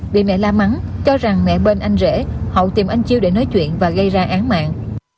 vì mẹ la mắng cho rằng mẹ bên anh rể hậu tìm anh chiêu để nói chuyện và gây ra án mạng